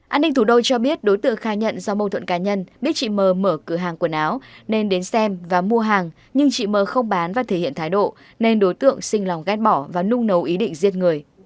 an ninh thủ đô cho biết đối tượng khai nhận do mâu thuẫn cá nhân biết chị m mở cửa hàng quần áo nên đến xem và mua hàng nhưng chị m không bán và thể hiện thái độ nên đối tượng xin lòng ghép bỏ và nung nấu ý định giết người